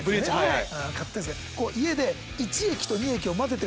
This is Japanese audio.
家で。